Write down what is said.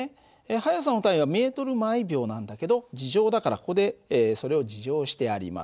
速さの単位はｍ／ｓなんだけど２乗だからここでそれを２乗してあります。